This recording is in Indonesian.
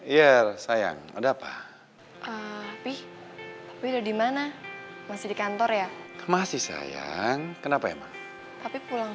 iya sayang udah pak pih tapi udah dimana masih di kantor ya masih sayang kenapa emang tapi pulang